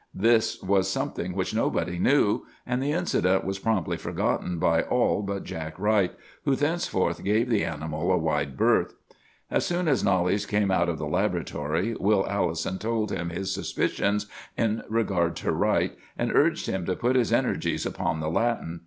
"This was something which nobody knew; and the incident was promptly forgotten by all but Jack Wright, who thenceforth gave the animal a wide berth. "As soon as Knollys came out of the laboratory, Will Allison told him his suspicions in regard to Wright, and urged him to put his energies upon the Latin.